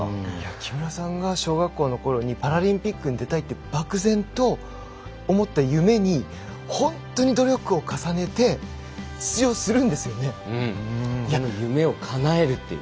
木村さんが小学校のころにパラリンピックに出たいとばく然と思った夢に本当に努力を重ねて夢をかなえるっていう。